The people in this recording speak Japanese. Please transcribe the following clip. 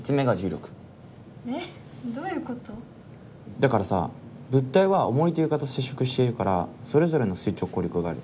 だからさ物体はおもりと床と接触しているからそれぞれの垂直抗力がある。